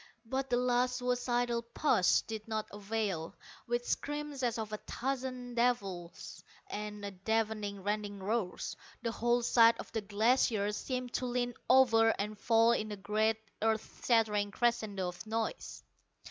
But the last suicidal push did not avail. With screams as of a thousand devils and deafening rending roars, the whole side of the Glacier seemed to lean over and fall in a great earth shattering crescendo of noise.